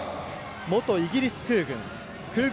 元イギリス空軍。